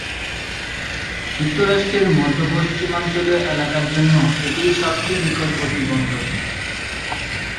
যুক্তরাষ্ট্রের মধ্য-পশ্চিমাঞ্চলীয় এলাকার জন্য এটিই সবচেয়ে নিকটবর্তী বন্দর।